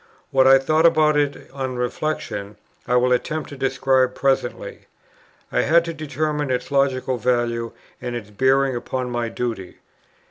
What I thought about it on reflection, I will attempt to describe presently. I had to determine its logical value, and its bearing upon my duty.